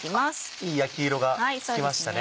いい焼き色がつきましたね。